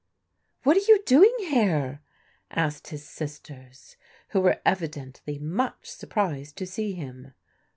"What are you doing here?" asked his sisters, who were evidently much surprised to see him.